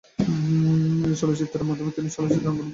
এই চলচ্চিত্রের মাধ্যমে তিনি চলচ্চিত্র অঙ্গনে বেশ পরিচিত হন।